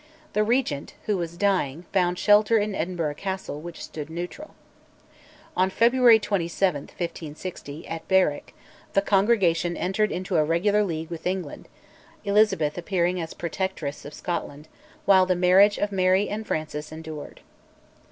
The Regent, who was dying, found shelter in Edinburgh Castle, which stood neutral. On February 27, 1560, at Berwick, the Congregation entered into a regular league with England, Elizabeth appearing as Protectress of Scotland, while the marriage of Mary and Francis endured.